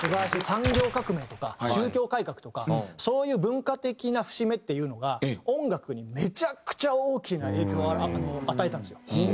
産業革命とか宗教改革とかそういう文化的な節目っていうのが音楽にめちゃくちゃ大きな影響を与えたんですよ。